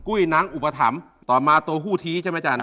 ุ้ยนางอุปถัมภ์ต่อมาตัวคู่ทีใช่ไหมอาจารย์